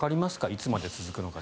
いつまで続くか。